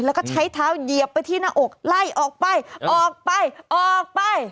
แล้วก็ใช้เท้าเหยียบไปที่หน้าอกไล่ออกไปออกไป